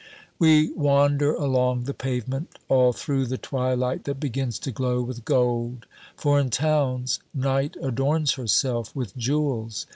We wander along the pavement, all through the twilight that begins to glow with gold for in towns Night adorns herself with jewels.